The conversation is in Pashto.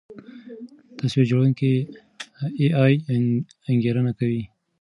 تصویر جوړوونکی اې ای انګېرنه کوي.